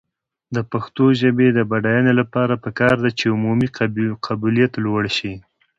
د پښتو ژبې د بډاینې لپاره پکار ده چې عمومي قبولیت لوړ شي.